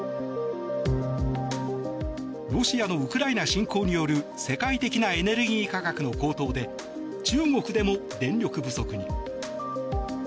ロシアのウクライナ侵攻による世界的なエネルギー価格の高騰で中国でも電力不足に。